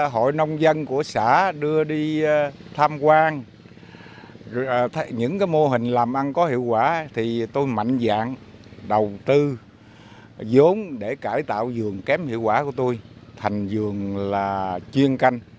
hội nông dân của xã đưa đi tham quan những mô hình làm ăn có hiệu quả tôi mạnh dạn đầu tư dốn để cải tạo vườn kém hiệu quả của tôi thành vườn chuyên canh